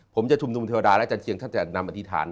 ผมจะชุมนุมเทวดาและอาจารเชียงท่านจะนำอธิษฐาน